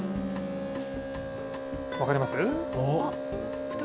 分かります？